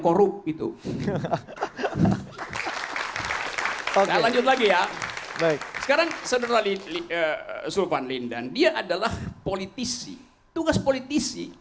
korup itu oke lanjut lagi ya sekarang sederhana sulvanlindan dia adalah politisi tugas politisi